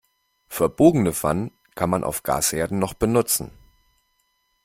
Verbogene Pfannen kann man auf Gasherden noch benutzen.